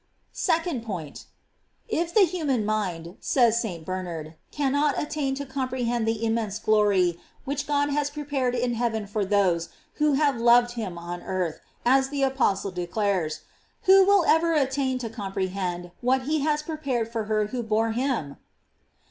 Second Point. — If the human mind, says St. Bernard, cannot attain to comprehend the im mense glory which God has prepared in heaven for those who have loved him on earth, as the apostle declares, who will ever attain to com prehend what he has prepared for her who bore him?